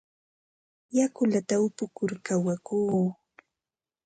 Yakullata upukur kawakuu.